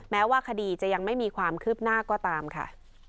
แม้ว่าคดีจะยังไม่มีความคืบหน้าก็ตามค่ะ